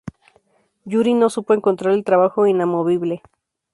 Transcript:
Yuri no supo encontrar el trabajo inamovible.